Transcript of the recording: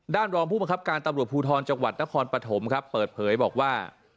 รองผู้บังคับการตำรวจภูทรจังหวัดนครปฐมครับเปิดเผยบอกว่า